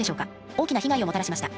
大きな被害をもたらしました。